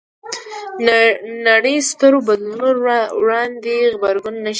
نړۍ سترو بدلونونو وړاندې غبرګون نه ښيي